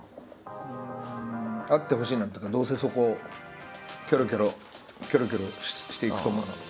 あってほしいなっていうかどうせそこをキョロキョロキョロキョロしていくと思うんだけど。